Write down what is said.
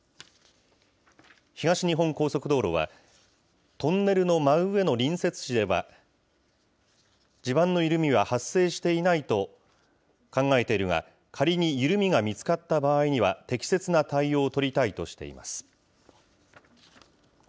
東日本高速道路は、トンネルの真上の隣接地では、地盤の緩みは発生していないと考えているが、仮に緩みが見つかった場合には、適切な対応を取りたいとしています。